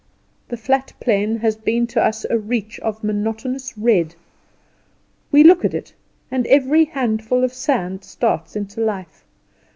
The flat plain has been to us a reach of monotonous red. We look at it, and every handful of sand starts into life.